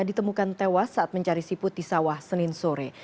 ditemukan tewas saat mencari siput di sawah senin sore